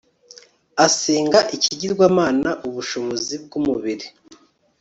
Asenga ikigirwamana Ubushobozi bwumubiri